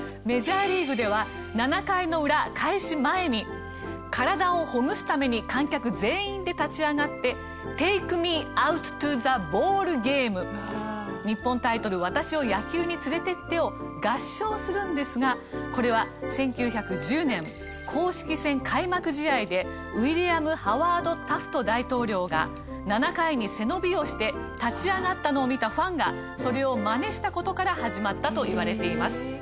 メジャーリーグでは７回のウラ開始前に体をほぐすために観客全員で立ち上がって『ＴａｋｅＭｅＯｕｔｔｏｔｈｅＢａｌｌＧａｍｅ』日本タイトル『私を野球に連れてって』を合唱するんですがこれは１９１０年公式戦開幕試合でウィリアム・ハワード・タフト大統領が７回に背伸びをして立ち上がったのを見たファンがそれをまねした事から始まったといわれています。